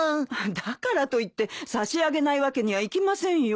だからといって差し上げないわけにはいきませんよ。